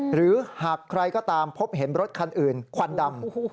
หรือหากใครก็ตามพบเห็นรถคันอื่นควันดำ